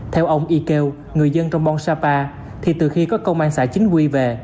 theo ông ikeo người dân trong bon sapa thì từ khi có công an xã chính quy về